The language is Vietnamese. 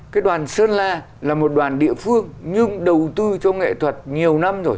cái đoàn sơn la là một đoàn địa phương nhưng đầu tư cho nghệ thuật nhiều năm rồi